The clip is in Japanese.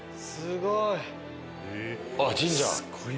すごい！